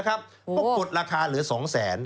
ก็กดราคาเหลือ๒แสน